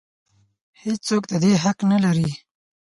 هېڅ څوک د دې حق نه لري.